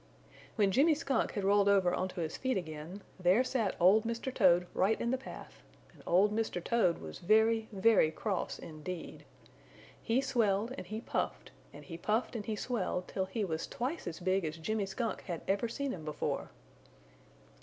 When Jimmy Skunk had rolled over onto his feet again, there sat old Mr. Toad right in the path, and old Mr. Toad was very, very cross indeed. He swelled and he puffed and he puffed and he swelled, till he was twice as big as Jimmy Skunk had ever seen him before.